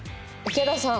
池田さん。